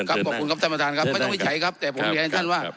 ครับบอกคุณครับท่านประธานครับไม่ต้องให้ใช้ครับแต่ผมเห็นท่านว่า